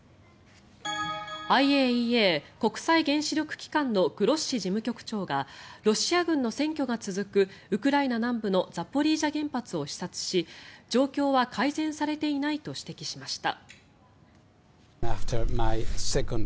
ＩＡＥＡ・国際原子力機関のグロッシ事務局長がロシア軍の占拠が続くウクライナ南部のザポリージャ原発を視察し状況は改善されていないと指摘しました。